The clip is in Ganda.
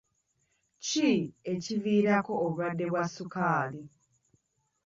Ki ekiviirako obulwadde bwa sukaali?